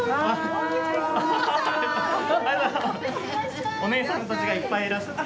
あらお姉さんたちがいっぱいいらっしゃって。